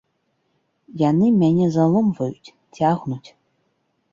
Яны мяне заломваюць, цягнуць.